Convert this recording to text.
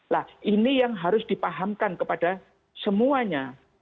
nah ini yang harus dipahamkan kepada semuanya